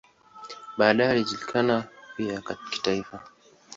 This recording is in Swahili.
Baadaye alijulikana pia kitaifa.